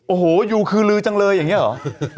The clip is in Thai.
โอ้โหยูคือลือจังเลยอย่างนี้เหรอ